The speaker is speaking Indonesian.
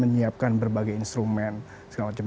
menyiapkan berbagai instrumen segala macam